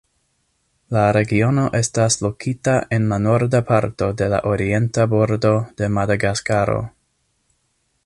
La regiono estas lokita en la norda parto de la orienta bordo de Madagaskaro.